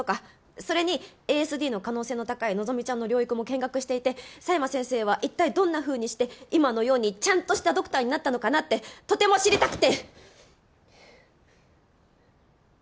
それにＡＳＤの可能性の高い希ちゃんの療育も見学していて佐山先生は一体どんなふうにして今のようにちゃんとしたドクターになったのかなってとても知りたくて！